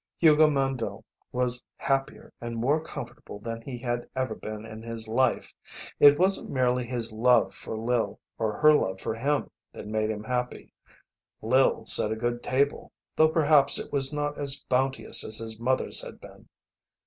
Hugo Mandle was happier and more comfortable than he had ever been in his life. It wasn't merely his love for Lil, and her love for him that made him happy. Lil set a good table, though perhaps it was not as bounteous as his mother's had been.